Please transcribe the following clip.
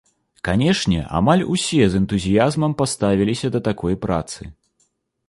Канешне, амаль усе з энтузіязмам паставіліся да такой працы.